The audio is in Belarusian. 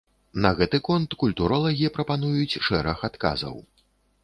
На гэты конт культуролагі прапануюць шэраг адказаў.